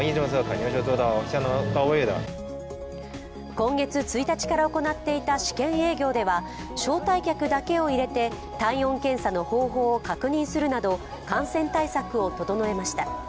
今月１日から行っていた試験営業では招待客だけを入れて体温検査の方法を確認するなど感染対策を整えました。